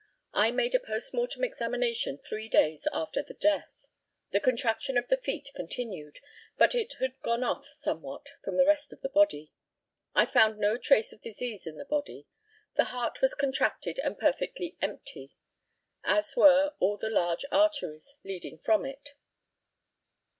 I made a post mortem examination three days after the death. The contraction of the feet continued, but it had gone off somewhat from the rest of the body. I found no trace of disease in the body. The heart was contracted and perfectly empty, as were all the large arteries leading from it.